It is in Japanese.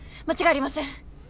間違いありません。